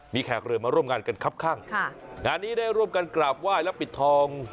มีแขกเรือมาร่วมงานกันครับข้างค่ะงานนี้ได้ร่วมกันกราบไหว้และปิดทอง